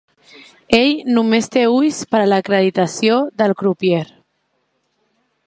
Ell només té ulls per a l'acreditació del crupier.